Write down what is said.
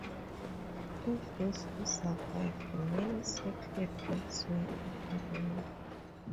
Of those who survived, many settled elsewhere after the war.